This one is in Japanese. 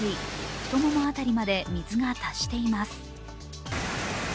太もも辺りまで水が達しています。